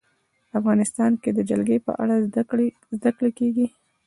افغانستان کې د جلګه په اړه زده کړه کېږي.